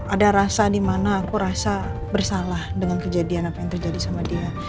ada rasa di mana aku rasa bersalah dengan kejadian apa yang terjadi sama dia